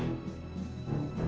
sampai ketemu lagi